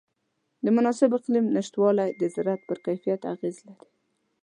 د مناسب اقلیم نهشتوالی د زراعت پر کیفیت اغېز لري.